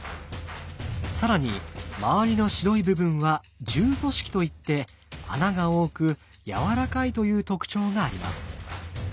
更に周りの白い部分は柔組織といって穴が多くやわらかいという特徴があります。